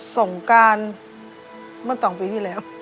ส่งการเมื่อ๒ปีที่แล้ว